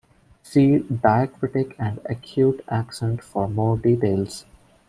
See Diacritic and Acute accent for more details.